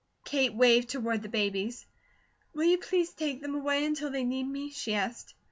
Kate waved toward the babies: "Will you please take them away until they need me?" she asked.